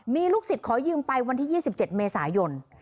มีลูกศิษย์ขอยืมไปวันที่๒๗เมษายน